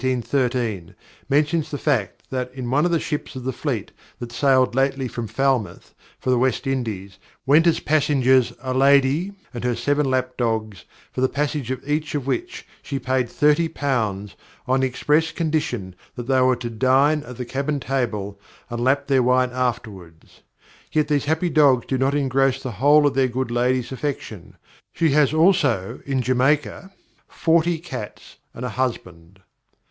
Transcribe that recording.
Daniel, in his "Rural Sports," 1813, mentions the fact that, "In one of the Ships of the Fleet, that sailed lately from Falmouth, for the West Indies, went as Passengers a Lady and her seven Lap dogs, for the Passage of each of which, she paid Thirty Pounds, on the express Condition, that they were to dine at the Cabin table, and lap their Wine afterwards. Yet these happy dogs do not engross the whole of their good Lady's Affection; she has also, in Jamaica, FORTY CATS, and a Husband."